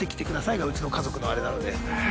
がうちの家族のあれなので。